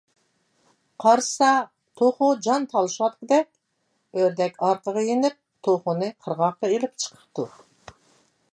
قارىسا، توخۇ جان تالىشىۋاتقۇدەك. ئۆردەك ئارقىغا يېنىپ، توخۇنى قىرغاققا ئېلىپ چىقىپتۇ.